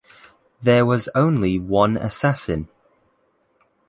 There was only one assassin.